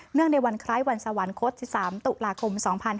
เนื่องในวันคล้ายวันสวรรคศ๑๓ตุหลาคม๒๕๖๒